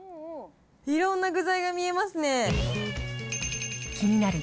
いろんな具材が見えますね。